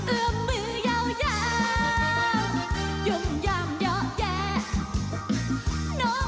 เอื้อมือยาวยาวย่มยามเยาะแยะ